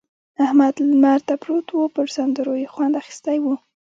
احمد لمر ته پروت وو؛ پر سندرو يې خوند اخيستی وو.